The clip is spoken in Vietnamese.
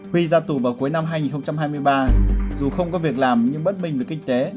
huy ra tù vào cuối năm hai nghìn hai mươi ba dù không có việc làm nhưng bất minh về kinh tế